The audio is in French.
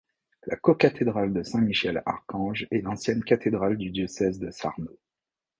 La cocathédrale de Saint Michel Archange est l'ancienne cathédrale du diocèse de Sarno.